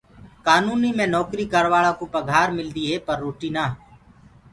ڪآنوُنو مي نوڪري ڪروآݪڪوُ پگھآر ملدي هي پر روٽي نآ۔